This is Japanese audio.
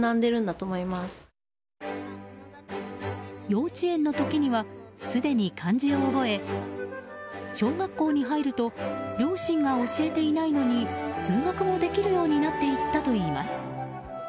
幼稚園の時にはすでに漢字を覚え小学校に入ると両親が教えていないのに数学もできるようになっていったといいます。